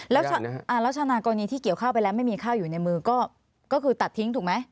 แล้วชนะกรณีที่เกี่ยวข้าวไปแล้วไม่มีข้าวอยู่ในมือก็คือตัดทิ้งถูกไหม